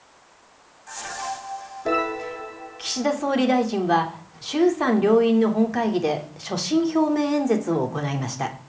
岸田総理大臣は、衆参両院の本会議で所信表明演説を行いました。